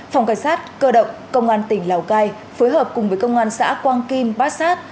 phòng cảnh sát cơ động công an tỉnh lào cai phối hợp cùng với công an xã quang kim bát sát